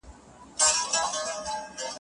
شپېلۍ ته زنګېدلو د بوډۍ په ټال کې لمر